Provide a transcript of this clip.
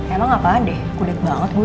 emang apaan deh kudet banget gue